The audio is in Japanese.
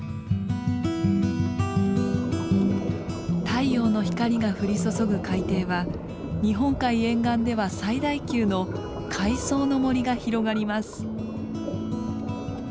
太陽の光が降り注ぐ海底は日本海沿岸では最大級の海藻の森が広がります。